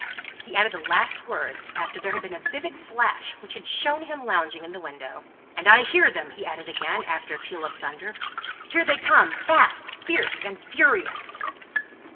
He added the last words, after there had been a vivid flash which had shown him lounging in the window. "And I hear them!" he added again, after a peal of thunder. "Here they come, fast, fierce, and furious!"